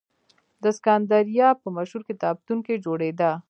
د سکندریه په مشهور کتابتون کې جوړېده.